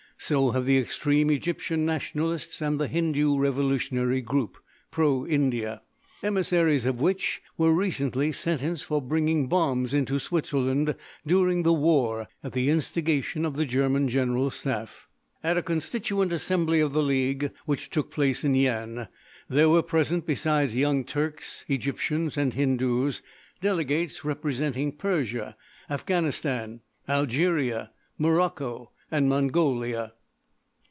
So have the extreme Egyptian nationalists and the Hindu revolutionary group, "Pro India," emissaries of which were recently sentenced for bringing bombs into Switzerland during the war at the instigation of the German General Staff. At a "Constituent Assembly" of the league, which took place in Yian, there were present, besides Young Turks, Egyptians and Hindus, delegates representing Persia, Afghanistan, Algeria, Morocco, and Mongolia.